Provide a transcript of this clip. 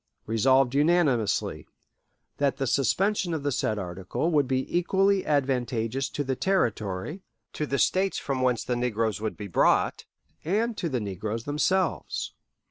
"Resolved unanimously, That the suspension of the said article would be equally advantageous to the Territory, to the States from whence the negroes would be brought, and to the negroes themselves....